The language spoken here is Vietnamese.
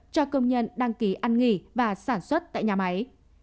cho công nhân đăng ký ăn nghỉ và sản xuất tại nhà máy